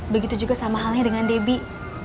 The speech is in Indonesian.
begitu juga sama halnya dengan debbie